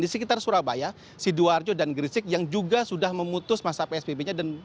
di sekitar surabaya sidoarjo dan gresik yang juga sudah memutus masa psbb nya dan